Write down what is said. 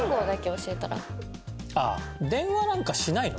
電話なんかしないの？